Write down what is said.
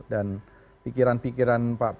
dan pikiran pikirannya itu sudah selesai ya